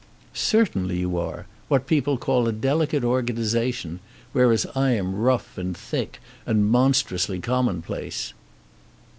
"Certainly you are. What people call a delicate organisation, whereas I am rough and thick and monstrously commonplace."